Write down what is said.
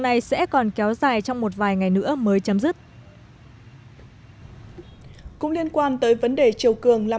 này sẽ còn kéo dài trong một vài ngày nữa mới chấm dứt cũng liên quan tới vấn đề chiều cường làm